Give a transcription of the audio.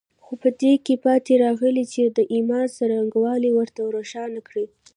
خو په دې کې پاتې راغلي چې د ايمان څرنګوالي ورته روښانه کړي.